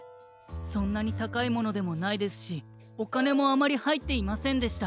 そんなにたかいものでもないですしおかねもあまりはいっていませんでした。